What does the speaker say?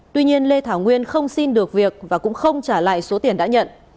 tuy nhiên lê thảo nguyên không xin được việc và cũng không trả lại số tiền đã nhận